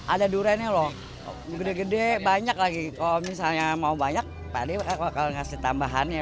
ada duriannya loh gede gede banyak lagi kalau misalnya mau banyak pak ade bakal ngasih tambahannya